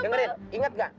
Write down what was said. dengarin ingat gak